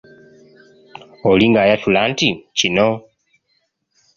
Oli ng'ayatula nti: Kino.